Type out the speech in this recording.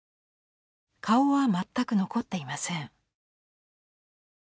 顔は全く残っていません。